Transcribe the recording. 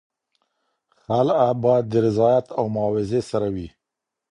خلع باید د رضایت او معاوضې سره وي.